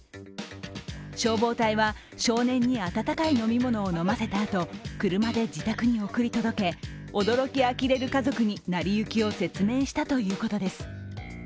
消防隊は、少年に温かい飲み物を飲ませたあと車で自宅に送り届け、驚きあきれる家族になりゆきを説明したということです。